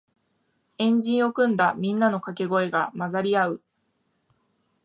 円陣を組んだみんなのかけ声が混ざり合う